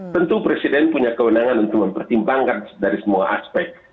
tentu presiden punya kewenangan untuk mempertimbangkan dari semua aspek